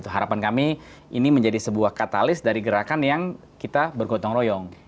harapan kami ini menjadi sebuah katalis dari gerakan yang kita bergotong royong